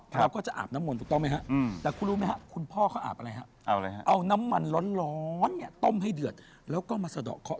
ต้มให้เดือดแล้วก็มาสะดอกเคาะ